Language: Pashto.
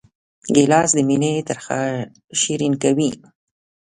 ګیلاس د مینې ترخه شیرین کوي.